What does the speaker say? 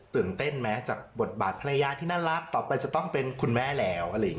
ตื่นเต้นไหมจากบทบาทภรรยาที่น่ารักต่อไปจะต้องเป็นคุณแม่แล้ว